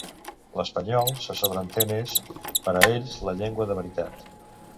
L'espanyol, se sobreentén, és, per a ells, "la llengua" de veritat.